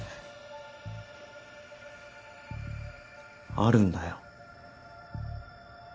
あるんだよ。